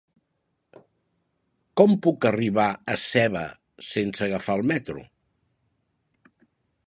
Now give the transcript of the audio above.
Com puc arribar a Seva sense agafar el metro?